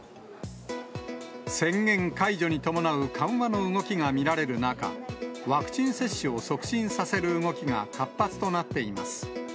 宣言解除に伴う緩和の動きが見られる中、ワクチン接種を促進させる動きが活発となっています。